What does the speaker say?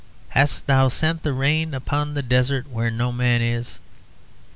'Hast Thou sent the rain upon the desert where no man is?'